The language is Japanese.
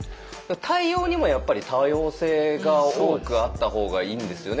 対応にも多様性が多くあったほうがいいんですよね